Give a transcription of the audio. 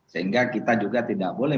sehingga kita juga tidak boleh